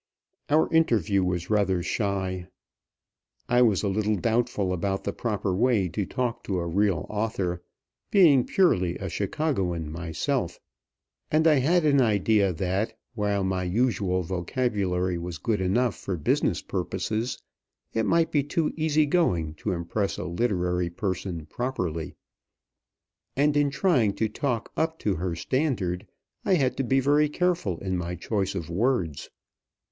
Our interview was rather shy. I was a little doubtful about the proper way to talk to a real author, being purely a Chicagoan myself; and I had an idea that, while my usual vocabulary was good enough for business purposes, it might be too easy going to impress a literary person properly, and in trying to talk up to her standard I had to be very careful in my choice of words.